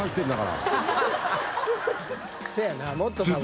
だから！